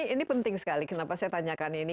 ini penting sekali kenapa saya tanyakan ini